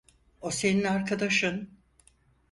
O senin arkadaşın.